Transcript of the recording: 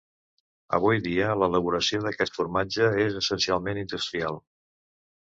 Avui dia, l'elaboració d'aquest formatge és essencialment industrial.